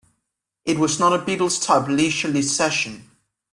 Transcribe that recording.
It was not a Beatles-type leisurely session.